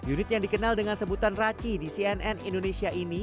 unit yang dikenal dengan sebutan raci di cnn indonesia ini